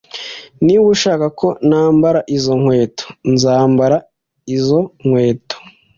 Niba ushaka ko nambara izo nkweto nzambara izo nkweto